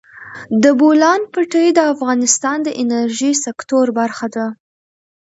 د بولان پټي د افغانستان د انرژۍ سکتور برخه ده.